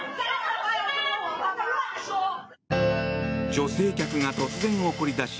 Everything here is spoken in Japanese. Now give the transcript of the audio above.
女性客が突然怒り出し